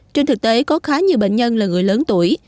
trên thực tế có khá nhiều bệnh nhân là người lớn tuổi